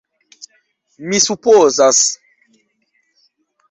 Mi supozas.